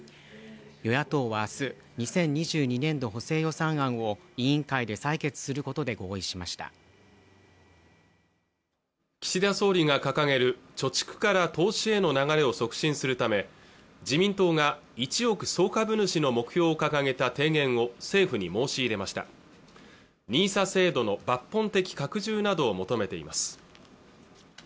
与野党はあす２０２２年度補正予算案を委員会で採決することで合意しました岸田総理が掲げる貯蓄から投資への流れを促進するため自民党が一億総株主の目標を掲げた提言を政府に申し入れましたＮＩＳＡ制度の抜本的拡充などを求めています